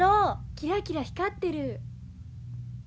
キラキラ光ってる。